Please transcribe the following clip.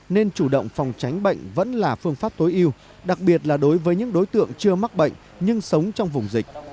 nên chủ động phòng tránh bệnh vẫn là phương pháp tối yêu đặc biệt là đối với những đối tượng chưa mắc bệnh nhưng sống trong vùng dịch